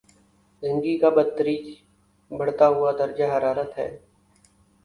زمین کا بتدریج بڑھتا ہوا درجۂ حرارت ہے